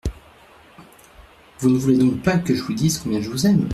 Vous ne voulez donc pas que je vous dise combien je vous aime ?